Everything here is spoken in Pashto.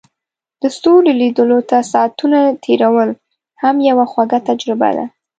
د ستورو لیدو ته ساعتونه تیرول هم یوه خوږه تجربه ده.